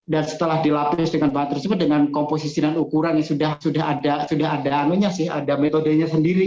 setelah dilapis dengan bahan tersebut dengan komposisi dan ukuran yang sudah ada metodenya sendiri